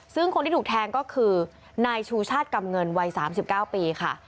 ซึ่งคนที่ถูกแทงก็คือนายชูชาติกำเงินวัย๓๙ปีค่ะ